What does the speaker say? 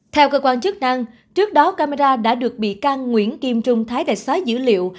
theo cơ quan chức năng trước đó camera đã được bị can nguyễn kim trung thái tài xóa dữ liệu